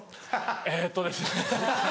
えっとですね。